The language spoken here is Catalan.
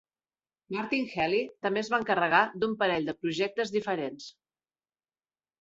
Martin Healy també es va encarregar d'un parell de projectes diferents.